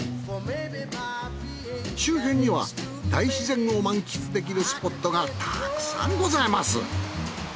周辺には大自然を満喫できるスポットがたくさんございます。